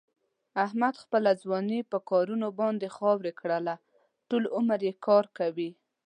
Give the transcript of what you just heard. احمد خپله ځواني په کارونو باندې خاورې کړله. ټول عمر کار کوي.